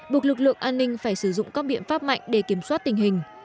buộc lực lượng an ninh phải sử dụng các biện pháp mạnh để kiểm soát tình hình